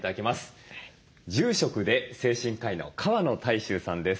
住職で精神科医の川野泰周さんです。